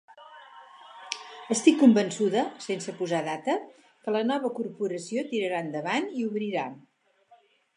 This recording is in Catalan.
Estic convençuda, sense posar data, que la nova corporació tirarà endavant i obrirà.